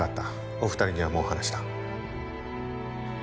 お二人にはもう話した。